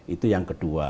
itu yang kedua